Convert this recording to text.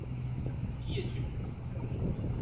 Qui es-tu ?